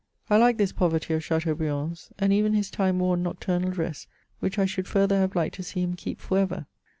I like this poverty of Chateaubriand's, and even his time worn nocturnal dress, which I should further have liked to see him keep for ever.